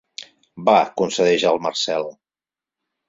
Va —concedeix el Marcel.